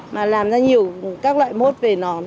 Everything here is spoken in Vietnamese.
mà làm ra nhiều các loại mốt về nón